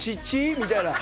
みたいな。